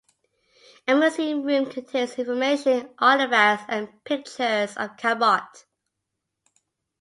A museum room contains information, artifacts, and pictures of "Cabot".